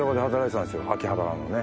秋葉原のね。